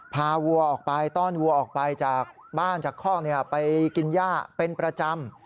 วัวออกไปต้อนวัวออกไปจากบ้านจากคอกไปกินย่าเป็นประจำ